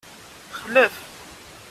Xlef.